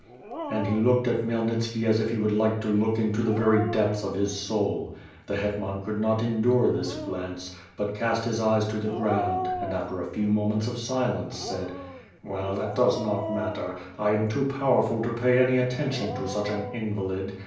And he looked at Khmyelnitski as if he would like to look into the very depths of his soul. The hetman could not en dure this glance, but cast his eyes to the ground, and after a few moments of silence, said: "AVell, that does not matter. I am too powerful to pay any attention to such an invalid.